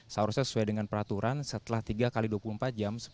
seharusnya sesuai dengan peraturan setelah tiga x dua puluh empat jam